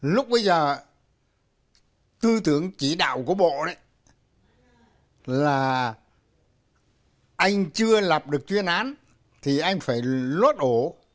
lúc bây giờ tư tưởng chỉ đạo của bộ đấy là anh chưa lập được chuyên án thì anh phải lốt ổ